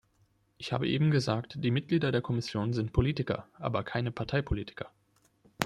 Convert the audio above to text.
Ich habe eben gesagt, die Mitglieder der Kommission sind Politiker, aber keine Parteipolitiker.